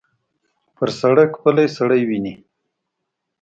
پر سړک پلی سړی وینې.